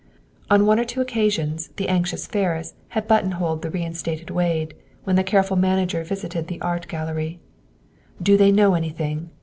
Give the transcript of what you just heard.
On one or two occasions, the anxious Ferris had buttonholed the reinstated Wade, when the careful manager visited the "Art Gallery." "Do they know anything?"